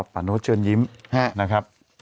โน๊ตเชิญยิ้มนะครับ